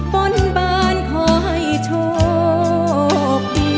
บนบานขอให้โชค